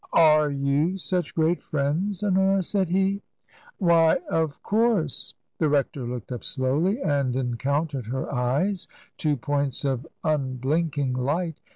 " Are you such great friends, Honora ?" said he. " Why ! Of course." The rector looked up slowly and encountered her eyes — ^two points of unblinking light.